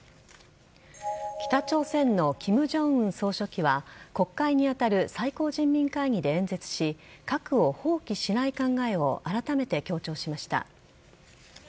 北朝鮮の金正恩総書記は国会に当たる最高人民会議で演説し核を放棄しない考えをあらためて強調しました。